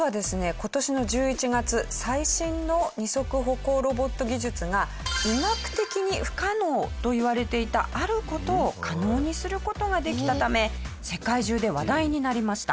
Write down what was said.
今年の１１月最新の二足歩行ロボット技術が医学的に不可能といわれていたある事を可能にする事ができたため世界中で話題になりました。